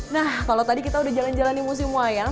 nah kalau tadi kita udah jalan jalan di museum wayang